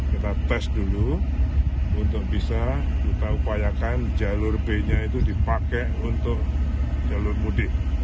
kita tes dulu untuk bisa kita upayakan jalur b nya itu dipakai untuk jalur mudik